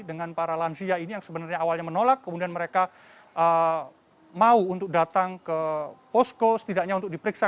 dengan para lansia ini yang sebenarnya awalnya menolak kemudian mereka mau untuk datang ke posko setidaknya untuk diperiksa